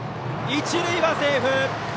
一塁はセーフ！